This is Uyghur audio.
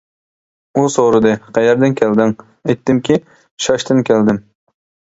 ئۇ سورىدى: «قەيەردىن كەلدىڭ؟ » ئېيتتىمكى: «شاشتىن كەلدىم» .